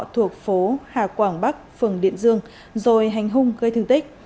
thuộc phố hà quảng bắc phường điện dương rồi hành hung gây thương tích